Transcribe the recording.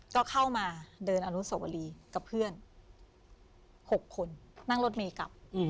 ก็เข้ามาเดินอนุสวรีกับเพื่อน๖คนนั่งรถเมย์กลับ